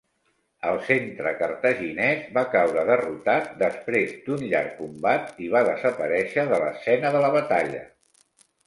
El centre cartaginès va caure derrotat després d'un llarg combat i va desaparèixer de l'escena de la batalla.